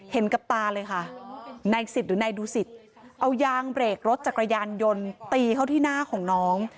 เห็นกับตาเลยค่ะนายสิทธิ์หรือนายดูสิตเอายางเบรกรถจักรยานยนต์ตีเขาที่หน้าของน้อง